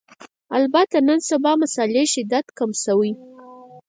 البته نن سبا مسألې شدت کم شوی